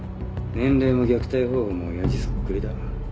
年齢も虐待方法も親父そっくりだ。